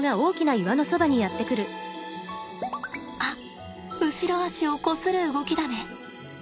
あっ後ろ足をこする動きだね。